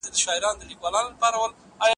د قانوني استازیتوب حق په محکمو کي نه ورکول کیږي.